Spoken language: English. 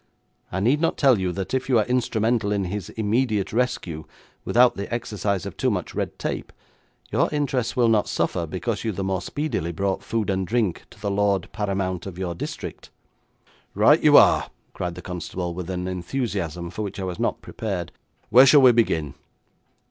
I need not tell you that if you are instrumental in his immediate rescue without the exercise of too much red tape, your interests will not suffer because you the more speedily brought food and drink to the lord paramount of your district.' 'Right you are,' cried the constable, with an enthusiasm for which I was not prepared. 'Where shall we begin?'